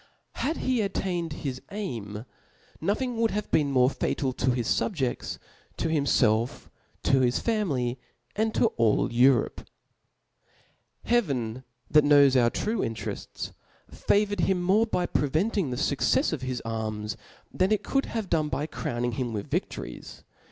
Had he attained his aim, nothing would have been more fatal to his fubjefts, to bimfelf, to his family, and to all Europe, Hea ven that knows our true interefts, favoured him more by preventing the fuccefs of his arms, than it couid have done by crowning him with vidories.